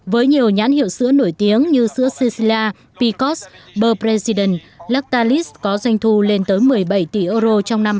với nhiều nhãn hiệu sữa nổi tiếng như sữa cecilia picos burpresident lactalis có doanh thu lên tới một mươi bảy tỷ euro trong năm hai nghìn một mươi bảy